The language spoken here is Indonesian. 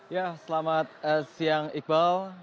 ya selamat siang iqbal